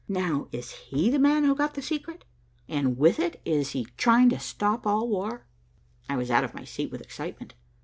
Now, is he the man who got the secret, and with it is trying to stop all war?" I was out of my seat with excitement.